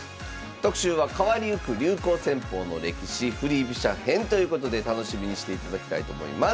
特集は「変わりゆく流行戦法の歴史振り飛車編」ということで楽しみにしていただきたいと思います。